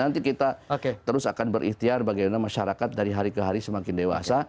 nanti kita terus akan berikhtiar bagaimana masyarakat dari hari ke hari semakin dewasa